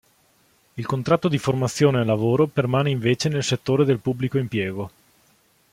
Il contratto di formazione e lavoro permane invece nel settore del Pubblico Impiego.